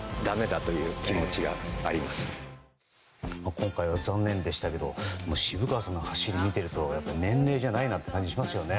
今回は残念でしたけど渋川さんの走りを見ていると年齢じゃないなという感じがしますよね。